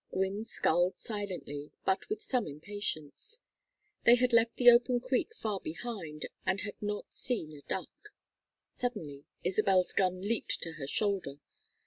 Gwynne sculled silently, but with some impatience. They had left the open creek far behind and had not seen a duck. Suddenly Isabel's gun leaped to her shoulder.